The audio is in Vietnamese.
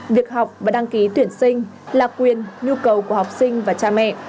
việc học và đăng ký tuyển sinh là quyền nhu cầu của học sinh và cha mẹ